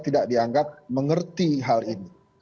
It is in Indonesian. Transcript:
tidak dianggap mengerti hal ini